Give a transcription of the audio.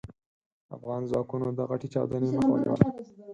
افغان ځواکونو د غټې چاودنې مخه ونيوله.